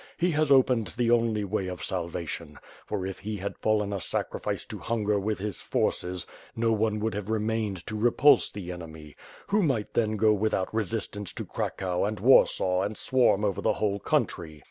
He has opened the only way of salvation; for if he had fallen a sacrifice to hunger with his forces, no one would have remained to repulse the enemy; who might then go without resistance to Cracow and Warsaw and swarm over the whole country.